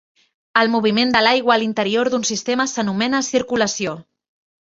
El moviment de l'aigua a l'interior d'un sistema s'anomena circulació.